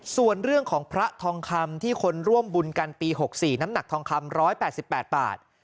ส่วนเรื่องของพระทองคำที่คนร่วมบุญกันปี๖๔น้ำหนักทองคำ๑๘๘บาท